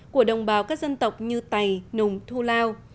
của đồng bào các dân tộc như tày nùng thu lao